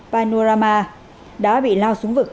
panorama đã bị lao xuống vực